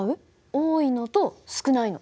多いのと少ないの。